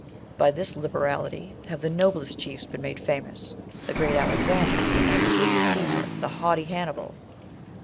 By this liberality have the noblest chiefs been made famous, the great Alexander, the mighty Julius Caesar, the haughty Hannibal.